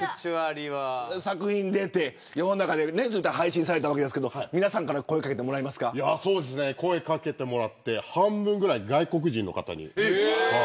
作品出て、世の中で配信されたわけですけど皆さんから声掛けてもら声掛けてもらって半分ぐらい外国人の方に。